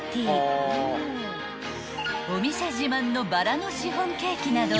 ［お店自慢のバラのシフォンケーキなど］